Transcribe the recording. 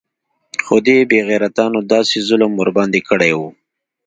خو دې بې غيرتانو داسې ظلم ورباندې كړى و.